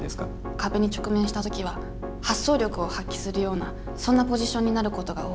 壁に直面した時は発想力を発揮するようなそんなポジションになることが多いです。